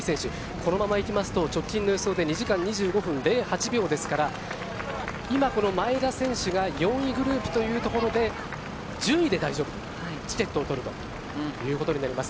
このままいきますと直近の予想で２時間２５分０８秒ですから今、前田選手が４位グループというところで１０位で大丈夫、チケットを取るということになります。